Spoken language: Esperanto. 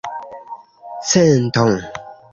cento